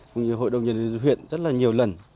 cũng như hội đồng nhân dân huyện rất là nhiều lần